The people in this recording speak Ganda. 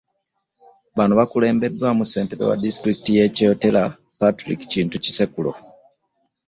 Bano bakulembeddwamu Ssentebe wa disitulikiti y'e Kyotera, Patrick Kintu Kisekulo